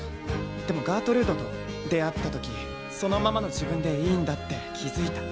でもガートルードと出会った時そのままの自分でいいんだって気付いた。